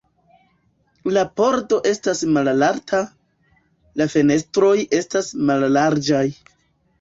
La pordo estas malalta, la fenestroj estas mallarĝaj.”